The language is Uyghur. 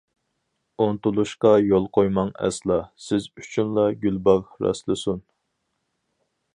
ئۇنتۇلۇشقا يول قويماڭ ئەسلا، سىز ئۈچۈنلا گۈلباغ راسلىسۇن.